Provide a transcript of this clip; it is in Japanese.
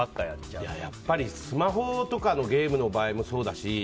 やっぱり、スマホとかのゲームの場合もそうだし